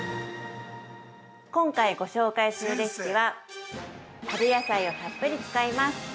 今回ご紹介するレシピは春野菜をたっぷり使います。